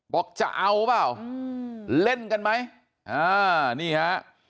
บอกจะเอาหรือเปล่าเล่นกันไหมนี่ฮะ